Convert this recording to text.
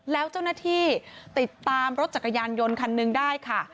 แล้วเจ้าหน้าที่ติดตามรถจักรยานยนต์คันหนึ่งได้ค่ะ